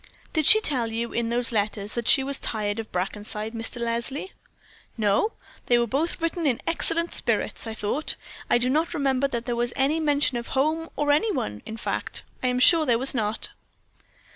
"Did she tell you, in those letters, that she was tired of Brackenside, Mr. Leslie?" "No, they were both written in excellent spirits, I thought. I do not remember that there was any mention of home or any one; in fact, I am sure there was not."